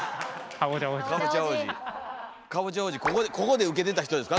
ここで受けてた人ですか？